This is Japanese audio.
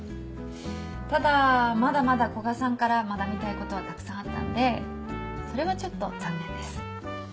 ただまだまだ古賀さんから学びたいことはたくさんあったんでそれはちょっと残念です。